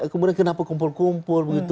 kemudian kenapa kumpul kumpul